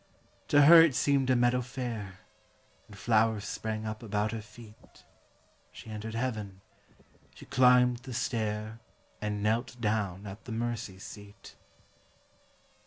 To her it seemed a meadow fair; And flowers sprang up about her feet She entered heaven; she climbed the stair And knelt down at the mercy seat.